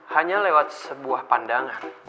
hanya lewat sebuah pandangan